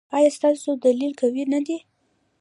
ایا ستاسو دلیل قوي نه دی؟